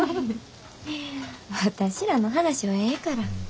私らの話はええから。